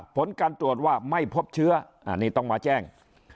ผลการตรวจว่าไม่พบเชื้ออันนี้ต้องมาแจ้ง